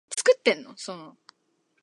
箱根駅伝で有名になった「えこぴょん」